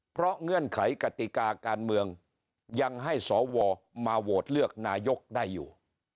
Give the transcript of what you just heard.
เพราะเงื่อนไขกติกาการเมืองยังให้สวมาโหวตเลือกนายกได้อยู่